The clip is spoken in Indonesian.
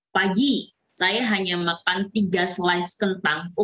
pagi saya hanya makan tiga selais kentang